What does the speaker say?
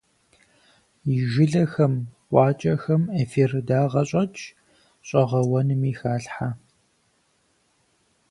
И жылэхэм, къуакӏэхэм эфир дагъэ щӏэтщ, щӏэгъэуэнми халъхьэ.